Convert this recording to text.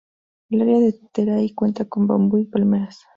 El área de Terai cuenta con bambú y palmeras.